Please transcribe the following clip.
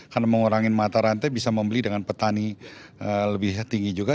karena mengurangi mata rantai bisa membeli dengan petani lebih tinggi juga